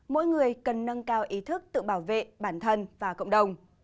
mỗi người cần nâng cao ý thức tự bảo vệ bản thân và cộng đồng